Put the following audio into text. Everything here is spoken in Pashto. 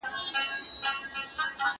اسلام د ټولني د هوساینې لپاره دی.